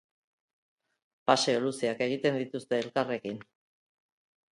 Paseo luzeak egiten dituzte elkarrekin.